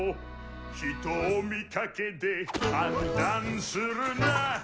「人を見かけで判断するな」